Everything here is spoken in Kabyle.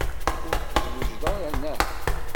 Ur tezwiǧeḍ ara, neɣ?